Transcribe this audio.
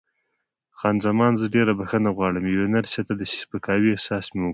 خان زمان: زه ډېره بښنه غواړم، یوې نرسې ته د سپکاوي احساس مې وکړ.